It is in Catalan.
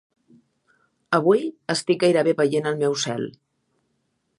Avui, estic gairebé veient el meu cel.